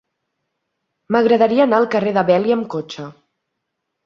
M'agradaria anar al carrer de Vèlia amb cotxe.